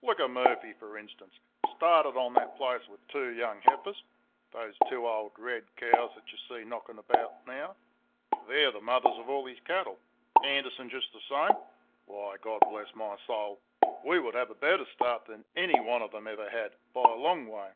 Look at Murphy, for instance. Started on that place with two young heifers those two old red cows that you see knocking about now. THEY'RE the mothers of all his cattle. Anderson just the same...Why, God bless my soul! we would have a better start than any one of them ever had by a long way."